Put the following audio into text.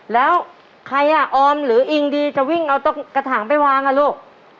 แล้วใครอ่ะออมหรืออิงดีจะวิ่งเอากระถางไปวางอ่ะลูก